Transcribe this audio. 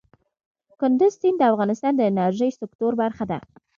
کندز سیند د افغانستان د انرژۍ سکتور برخه ده.